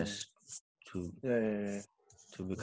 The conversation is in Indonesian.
untuk menjadi lebih baik